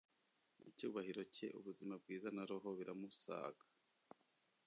icyubahiro cye ubuzima bwiza na roho biramusaga.